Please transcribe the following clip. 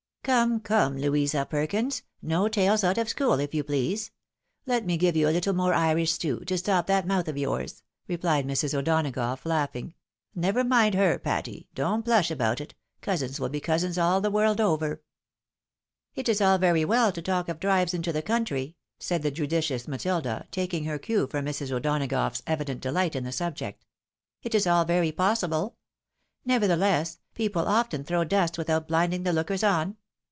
" Come, come, Louisa Perkins ! No tales out of school, if you please. Let me give you a little more Irish stew, to stop that mouth of yours," replied Mrs. O'Donagough, laughing " Never mind her, Patty. Don't blush about it, cousins will be cousins aU the world over." EXCLUSIVE PEOPLE. 177 " It is all very ■well to talk of drives into the country," said the judicious Matilda, taking her cue from Mrs. O'Donagough's evident delight in the subject ;" it is all very possible. Neverthe less, people often throw dust without blinding the lookers on.